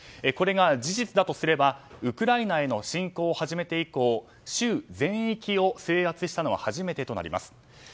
これが事実だとすればウクライナへの侵攻を始めて以降州全域を制圧したのは初めてとなります。